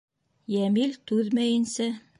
Йәмил түҙмәйенсә: